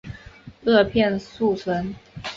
萼片宿存。